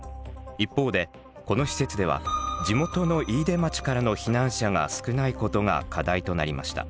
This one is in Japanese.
一方でこの施設では地元の飯豊町からの避難者が少ないことが課題となりました。